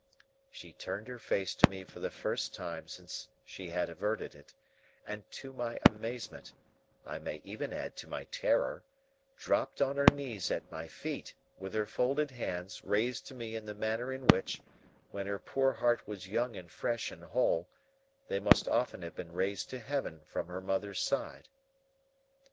She turned her face to me for the first time since she had averted it, and, to my amazement, I may even add to my terror, dropped on her knees at my feet; with her folded hands raised to me in the manner in which, when her poor heart was young and fresh and whole, they must often have been raised to heaven from her mother's side.